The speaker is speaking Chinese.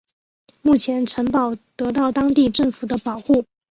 目前城堡得到当地政府的保护。